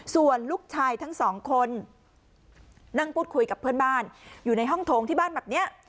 ส่วนลูกชายทั้งสองคนนั่งพูดคุยกับเพื่อนบ้านอยู่ในห้องโถงที่บ้านแบบนี้